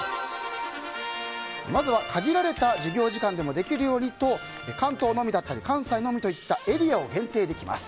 まずは限られた授業時間でもできるようにと関東のみだったり関西のみだったりとエリアを限定できます。